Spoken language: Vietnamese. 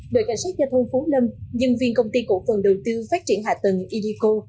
đội cảnh sát giao thông phú lâm nhân viên công ty cổ phần đầu tư phát triển hạ tầng edico